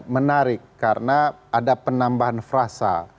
menarik karena ada penambahan frasa